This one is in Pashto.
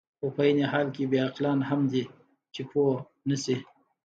خو په عین حال کې بې عقلان هم دي، چې پوه نه شي.